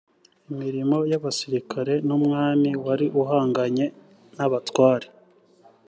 imirimo y abasirikare n umwami wari uhanganye n abatware